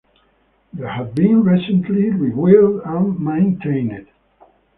These have been recently rebuilt and maintained.